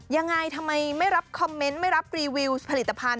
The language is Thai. ยังไงทำไมไม่รับคอมเมนต์ไม่รับรีวิวผลิตภัณฑ